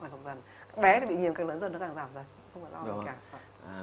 các bé thì bị nhiễm càng lớn dần nó càng giảm dần